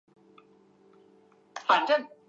根据研究中心的调研